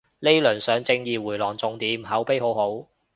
呢輪上正義迴廊仲掂，口碑好好